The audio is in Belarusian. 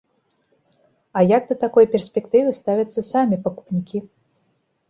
А як да такой перспектывы ставяцца самі пакупнікі?